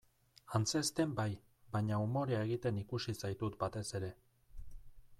Antzezten bai, baina umorea egiten ikusi zaitut batez ere.